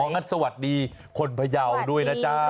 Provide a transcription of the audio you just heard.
อ๋องั้นสวัสดีคนพยาวด้วยนะเจ้า